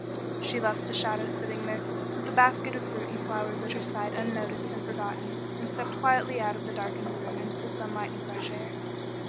She left the shadow sitting there with the basket of fruit and flowers at her side unnoticed and forgotten, and stepped quietly out of the darkened room into the sunlight and fresh air.